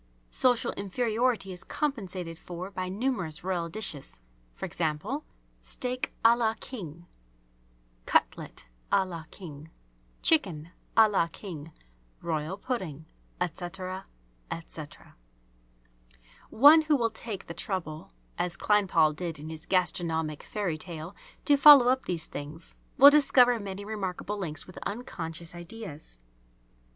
Social inferiority is compensated for by numerous royal dishes ... e.g., steak a la king, cutlet a la king, chicken a la king, royal pudding, etc., etc. One who will take the trouble, as Kleinpaul did in his "Gastronomic Fairy tale," to follow up these things, will discover many remarkable links with unconscious ideas.